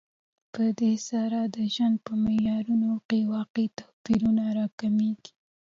په دې سره د ژوند په معیارونو کې واقعي توپیرونه راکمېږي